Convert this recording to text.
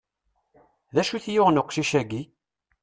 D acu i t-yuɣen uqcic-agi?